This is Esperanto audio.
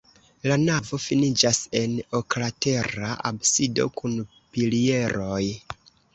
La navo finiĝas en oklatera absido kun pilieroj.